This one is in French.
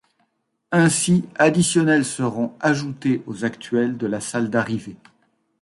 Ainsi, additionnels seront ajoutés aux actuels de la salle d’arrivée.